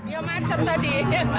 ya macet tadi